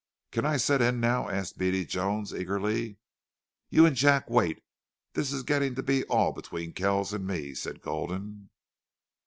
"Can I set in now?" asked Beady Jones, eagerly. "You and Jack wait. This's getting to be all between Kells an' me," said Gulden.